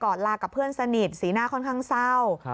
ลากับเพื่อนสนิทสีหน้าค่อนข้างเศร้า